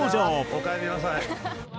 「おかえりなさい」